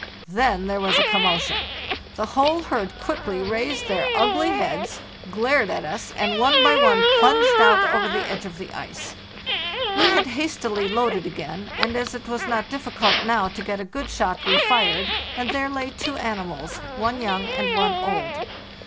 Then there was a commotion! The whole herd quickly raised their ugly heads, glared at us, and one by one plunged out over the edge of the ice. We had hastily loaded again, and as it was not difficult now to get a good shot we fired, and there lay two animals, one young and one old.